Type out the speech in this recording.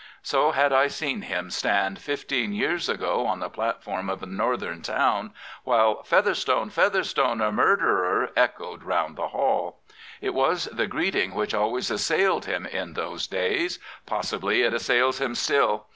So had I seen him stand fifteen years ago on the platform of a Northern town, while " Featherstonel Featherstone I Mur derer! " echoed round the hall. It was the greeting which always assailed him in those days. Possibly it assails him still.